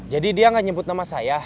jadi dia gak nyebut nama saya